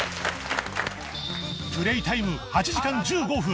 プレイタイム８時間１５分